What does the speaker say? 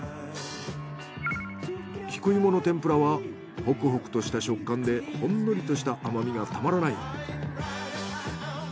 キクイモの天ぷらはホクホクとした食感でほんのりとした甘みがたまらない。